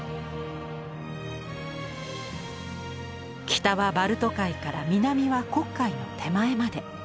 北はバルト海から南は黒海の手前まで。